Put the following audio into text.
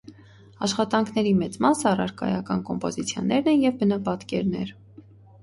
Աշխատանքների մեծ մասը առարկայական կոմպոզիցիաներ են և բնապատկերներ։